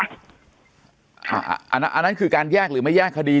อ่าอันนั้นอันนั้นคือการแยกหรือไม่แยกคดี